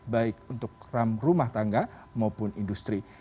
baik untuk ram rumah tangga maupun industri